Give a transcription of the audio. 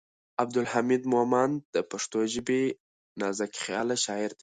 عبدالحمید مومند د پښتو ژبې نازکخیاله شاعر دی.